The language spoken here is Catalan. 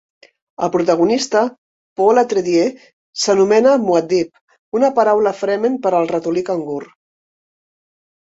El protagonista, Paul Atreides, s'anomena Muad'Dib, una paraula fremen per al ratolí cangur.